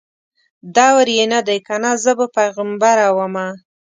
دور یې نه دی کنه زه به پیغمبره ومه